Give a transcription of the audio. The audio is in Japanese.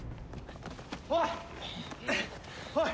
おい！